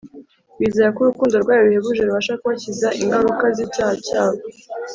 , bizera ko urukundo rwayo ruhebuje rubasha kubakiza ingaruka z’icyaha cyabo